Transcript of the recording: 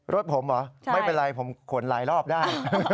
รถผมเหรอไม่เป็นไรผมขนหลายรอบได้